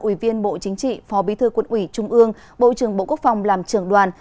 ủy viên bộ chính trị phó bí thư quân ủy trung ương bộ trưởng bộ quốc phòng làm trưởng đoàn